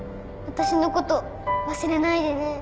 私のこと忘れないでね